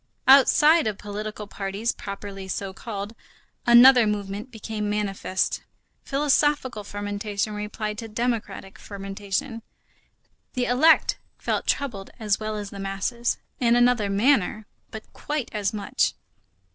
Outside of political parties properly so called, another movement became manifest. Philosophical fermentation replied to democratic fermentation. The elect felt troubled as well as the masses; in another manner, but quite as much.